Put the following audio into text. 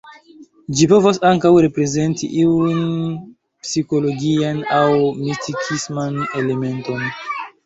Ĝi povas ankaŭ reprezenti iun psikologian aŭ mistikisman elementon.